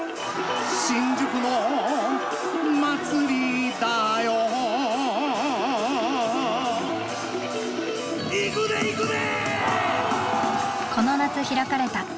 新宿の祭りだよいくでいくで！